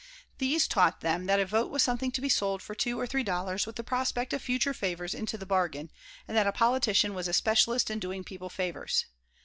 These taught them that a vote was something to be sold for two or three dollars, with the prospect of future favors into the bargain, and that a politician was a specialist in doing people favors.